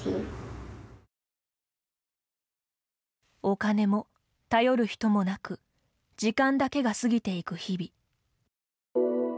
お金も頼る人もなく時間だけが過ぎていく日々。